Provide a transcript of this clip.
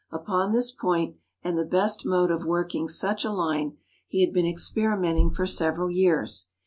Upon this point and the best mode of working such a line, he had been experimenting for several years.